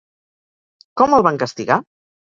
Com el van castigar?